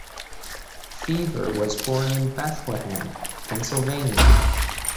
Feaver was born in Bethlehem, Pennsylvania.